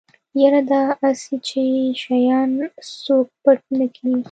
يره دا اسې چې شيان څوک پټ نکي.